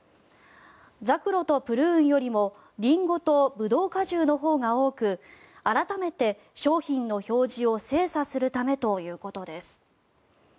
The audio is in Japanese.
ザクロとプルーンよりもリンゴとブドウ果汁のほうが多く改めて商品の表示を精査するためということです。